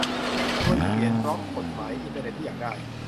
ชวนเขียนบล็อก กฎหมายอินเทอร์เน็ตที่อยากได้